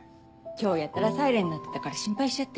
今日やたらサイレン鳴ってたから心配しちゃって。